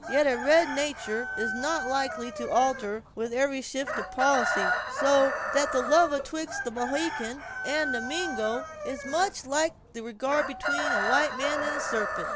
Yet a red natur' is not likely to alter with every shift of policy; so that the love atwixt a Mohican and a Mingo is much like the regard between a white man and a sarpent."